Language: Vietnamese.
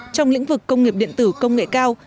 trong lĩnh vực công nghiệp điện tử công nghệ cao